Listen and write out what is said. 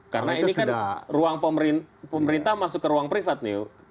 karena ini kan ruang pemerintah masuk ke ruang privat nih